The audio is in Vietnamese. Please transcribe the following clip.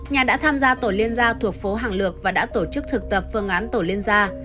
nhà đã tham gia tổ liên gia thuộc phố hàng lược và đã tổ chức thực tập phương án tổ liên gia